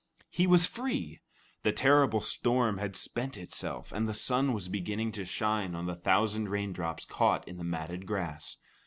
He was free! The terrible storm had spent itself, and the sun was beginning to shine on the thousand rain drops caught in the matted grass.